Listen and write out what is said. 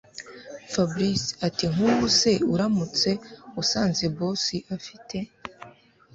Fabric atinkubu se uramutse usanze boss afite